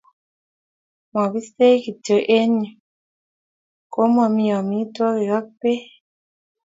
mebistech kityo eng yu komomi omitwogik ak beek